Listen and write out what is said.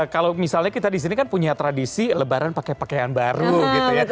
kalau misalnya kita di sini kan punya tradisi lebaran pakai pakaian baru gitu ya